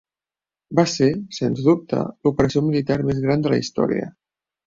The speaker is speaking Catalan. Va ser, sens dubte, l'operació militar més gran de la història.